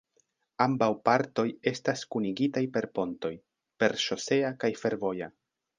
Ambaŭ partoj estas kunigitaj per pontoj: per ŝosea kaj fervoja.